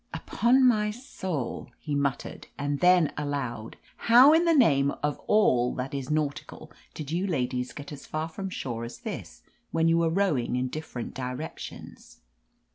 "Upon my soul!" he muttered, and then aloud : "How in the name of all that is nau tical did you ladies get as far from shore as this, when you are rowing in different direc tions?"